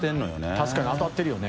確かに当たってるよね。